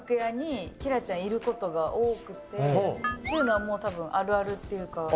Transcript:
っていうのはもうたぶんあるあるっていうか。